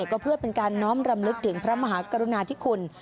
ก็เพื่อเป็นการน้อมรำลึกถึงพระมหากรุณาธิคุณ